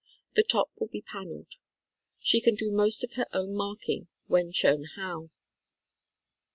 The top will be paneled. She can do most of her own marking when shown how.